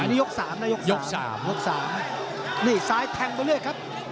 อันนี้ยก๓นะยกสามยกสามนี่ซ้ายแทงไปเรื่อยครับ